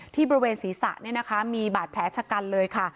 ที่บริเวณศรีษะเนี้ยนะคะมีบาดแผลชะกันเลยค่ะ